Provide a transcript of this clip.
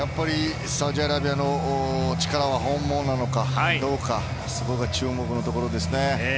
サウジアラビアの力は本物なのかどうかそこが注目のところですね。